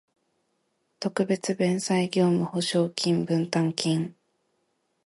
特別弁済業務保証金分担金